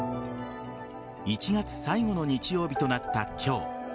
１月最後の日曜日となった今日。